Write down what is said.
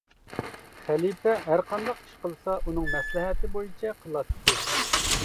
خەلىپە ھەرقانداق ئىش قىلسا ئۇنىڭ مەسلىھەتى بويىچە قىلاتتى.